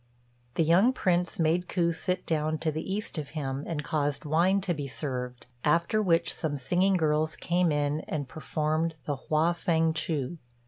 The young Prince made Ku sit down to the east of him, and caused wine to be served; after which some singing girls came in and performed the Hua fêng chu.